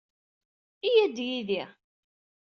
Yya-d yid-i.